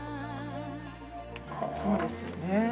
そうですよね。